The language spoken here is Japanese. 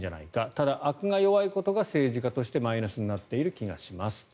ただ、あくが弱いことが政治家としてマイナスになっている気がします。